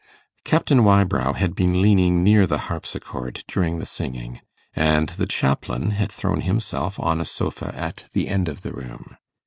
Captain Wybrow had been leaning near the harpsichord during the singing, and the chaplain had thrown himself on a sofa at the end of the room.